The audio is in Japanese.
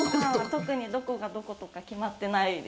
特に、どこがどことか決まってない。